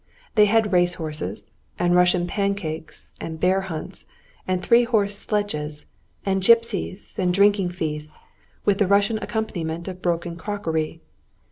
They had race horses, and Russian pancakes and bear hunts and three horse sledges, and gypsies and drinking feasts, with the Russian accompaniment of broken crockery.